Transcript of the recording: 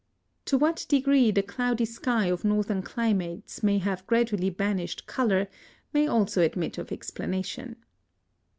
To what degree the cloudy sky of northern climates may have gradually banished colour may also admit of explanation.